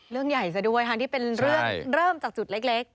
เรื่องใหญ่ซะด้วยทั้งที่เป็นเรื่องเริ่มจากจุดเล็ก